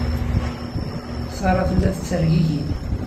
Sarah tella tettergigi.